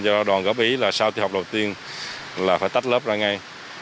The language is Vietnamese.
do đoàn góp ý là sau khi học đầu tiên là phải tách lớp ra ngay